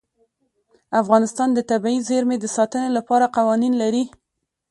افغانستان د طبیعي زیرمې د ساتنې لپاره قوانین لري.